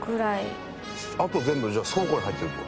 あと全部じゃあ、倉庫に入ってるって事？